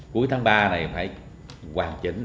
cuối tháng ba này phải hoàn chỉnh